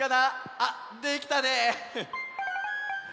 あっできたね！